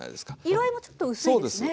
色合いもちょっと薄いですね。